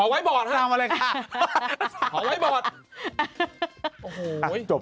พี่หนุ่มก็รู้จัก